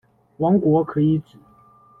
王国可以指：